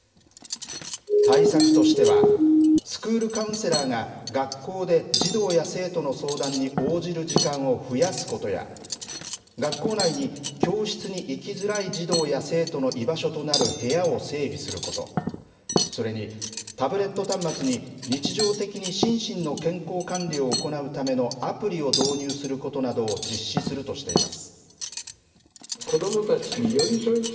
対策としては、スクールカウンセラーが学校で児童や生徒の相談に応じる時間を増やすことや、学校内に教室に行きづらい児童や生徒の居場所となる部屋を整備すること、それに、タブレット端末に、日常的に心身の健康管理を行うためのアプリを導入することなどを実施するとしています。